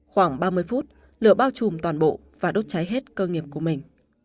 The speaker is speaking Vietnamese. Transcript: khoảng ba mươi phút lửa bao trùm toàn bộ và đốt cháy hết cơ nghiệp của mình